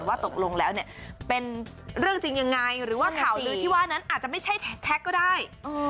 ว่าตกลงแล้วเนี่ยเป็นเรื่องจริงยังไงหรือว่าข่าวลือที่ว่านั้นอาจจะไม่ใช่แท็กก็ได้